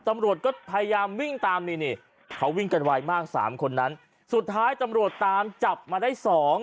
ตำรวจก็พยายามวิ่งตามนี่นี่เขาวิ่งกันไวมากสามคนนั้นสุดท้ายตำรวจตามจับมาได้สอง